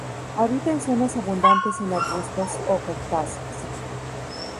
Habita en zonas abundantes en arbustos o cactáceas.